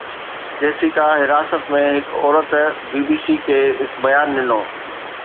Jessica, حراست ۾ هڪ عورت، بي بي سي کي هڪ بيان ڏنو